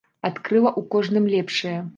Адкрыла ў кожным лепшае.